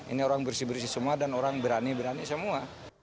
ini orang bersih bersih semua dan orang berani berani semua